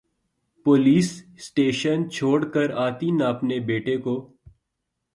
police station چھوڑ کر آتی نا اپنے بیٹے کو